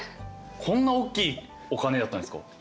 こんなおっきいお金やったんですか。